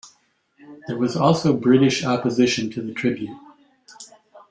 There was also British opposition to the tribute.